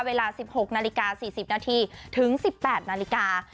เวลา๑๖นาฬิกา๔๐นาทีถึง๑๘นาฬิกา